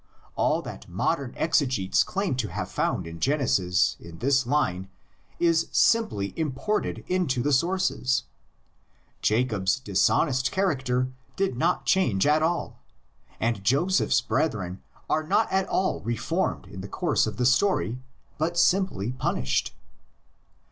All that modern exegetes claim to have found in Genesis in this line is simply imported into the sources: Jacob's dishonest char acter did not change at all; and Joseph's brethren are not at all reformed in the course of the story, but simply punished.